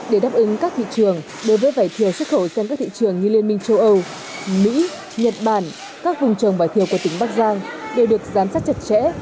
để đáp ứng các thị trường đối với vải thiều xuất khẩu sang các thị trường như liên minh châu âu mỹ nhật bản các vùng trồng vải thiều của tỉnh bắc giang đều được giám sát chặt chẽ